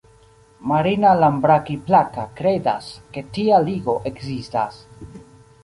Marina Lambraki-Plaka kredas ke tia ligo ekzistas.